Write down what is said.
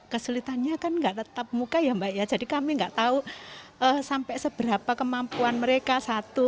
kesulitannya kan nggak tetap muka ya mbak ya jadi kami nggak tahu sampai seberapa kemampuan mereka satu